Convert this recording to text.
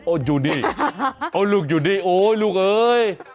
โอ๊ยอยู่นี่ลูกอยู่นี่โอ๊ยลูกเฮ้ย